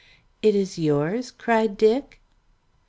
"It is yours?" cried Dick.